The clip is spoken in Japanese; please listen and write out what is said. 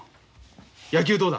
野球どうだ？